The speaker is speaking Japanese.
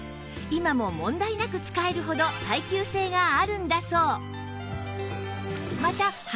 今も問題なく使えるほど耐久性があるんだそう